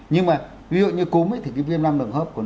nhưng mà ví dụ như cúm ấy thì cái viêm năm đường hô hấp của nó